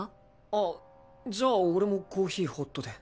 あっじゃあ俺もコーヒーホットで。